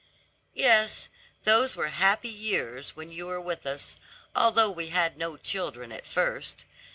"Yes, those were happy years when you were with us, although we had no children at first.